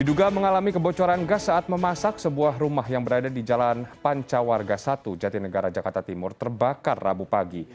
diduga mengalami kebocoran gas saat memasak sebuah rumah yang berada di jalan panca warga satu jatinegara jakarta timur terbakar rabu pagi